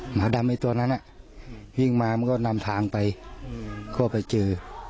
หมาดำอีกตัวนั้นน่ะมันก็นำทางไปก็ไปเจอ